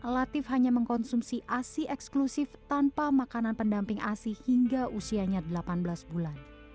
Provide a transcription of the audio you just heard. latif hanya mengkonsumsi asi eksklusif tanpa makanan pendamping asi hingga usianya delapan belas bulan